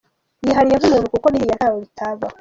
Yihanye nk’umuntu kuko biriya ntawe bitabaho.